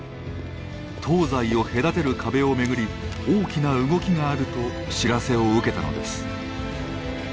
東西を隔てる壁を巡り大きな動きがあると知らせを受けたのです。